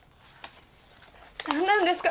なんなんですか